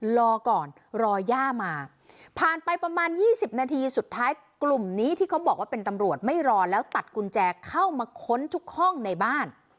รอก่อนรอย่ามาผ่านไปประมาณ๒๐นาทีสุดท้ายกลุ่มนี้ที่เขาบอกว่าเป็นตำรวจไม่รอแล้วตัดกุญแจเข้ามาค้นทุกห้องในบ้าน